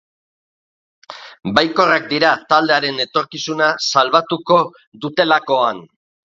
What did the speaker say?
Baikorrak dira taldearen etorkizuna salbatuko dutelakoan.